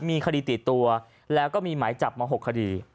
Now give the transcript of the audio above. มีคดีติดตัวแล้วก็มีหมายจับมา๖คดี